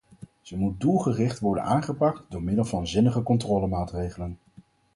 Ze moet doelgericht worden aangepakt door middel van zinnige controlemaatregelen.